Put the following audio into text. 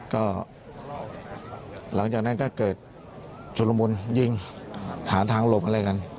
ก็หลังจากนั้นก็เกิดชุดละมุนยิงหาทางหลบอะไรกัน